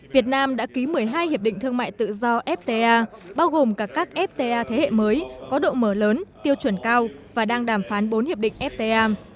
việt nam đã ký một mươi hai hiệp định thương mại tự do fta bao gồm cả các fta thế hệ mới có độ mở lớn tiêu chuẩn cao và đang đàm phán bốn hiệp định fta